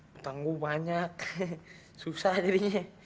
bertanggung banyak headquarters a jadinya